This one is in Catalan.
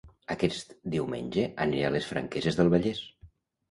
Aquest diumenge aniré a Les Franqueses del Vallès